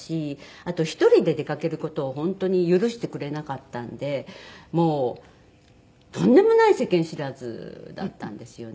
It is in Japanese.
あと１人で出かける事を本当に許してくれなかったんでもうとんでもない世間知らずだったんですよね。